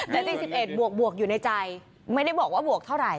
แต่ยี่สิบเอ็ดบวกบวกอยู่ในใจไม่ได้บอกว่าบวกเท่าไร